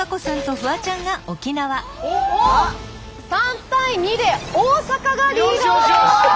３対２で大阪がリード！